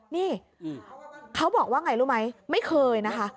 นี่เขาบอกว่าไงรู้ไหมไม่เคยนะคะ